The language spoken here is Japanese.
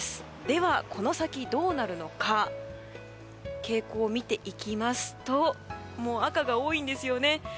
この先どうなるのか傾向を見ていきますと赤が多いんですよね。